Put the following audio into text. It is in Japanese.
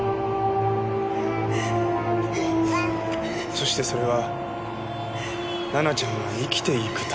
そしてそれは奈々ちゃんが生きていくために。